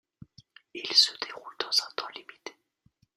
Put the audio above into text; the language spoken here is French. Il se déroule dans un temps limité.